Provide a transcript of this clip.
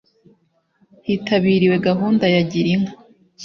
hitabiriwe gahunda ya Gira inka